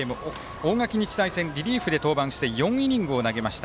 大垣日大戦リリーフで登板して４イニングを投げました。